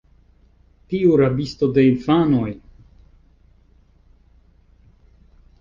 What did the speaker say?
tiu rabisto de infanoj!